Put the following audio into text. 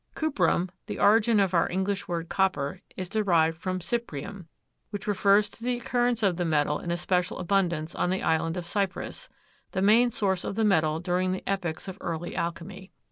Cuprum, the origin of our English word copper, is derived from cyprium, which refers to the occurrence of the metal in especial abundance on the island of Cyprus, the main source of the metal during the epochs of early alchemy.